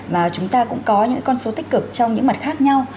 mà chúng ta cũng có những con số tích cực trong những mặt khác nhau